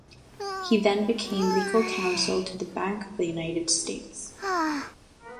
He then became legal counsel to the Bank of the United States.